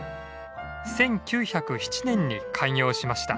１９０７年に開業しました。